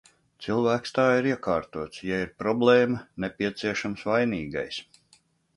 Cilvēks tā ir iekārtots – ja ir problēma, nepieciešams vainīgais.